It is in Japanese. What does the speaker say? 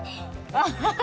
アッハハ！